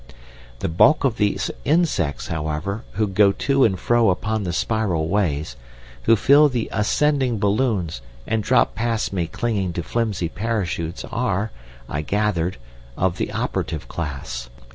"The bulk of these insects, however, who go to and fro upon the spiral ways, who fill the ascending balloons and drop past me clinging to flimsy parachutes are, I gather, of the operative class.